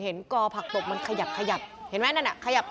เห็นต่อไหมเนี่ยจับต่อก่อน